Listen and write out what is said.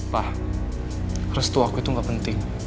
pak restu aku itu gak penting